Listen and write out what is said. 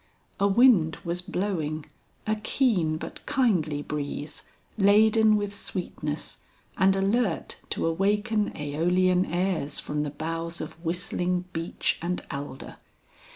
A wind was blowing, a keen but kindly breeze, laden with sweetness and alert to awaken Æolian airs from the boughs of whistling beech and alder.